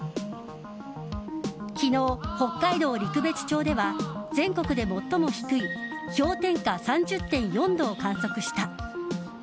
昨日、北海道陸別町では全国で最も低い氷点下３０．４度を観測した。